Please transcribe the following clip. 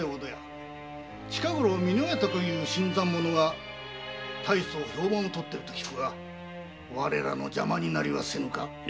近ごろ美乃屋とかいう新参者が大層な評判をとっていると聞くが我らの邪魔になりはせぬか？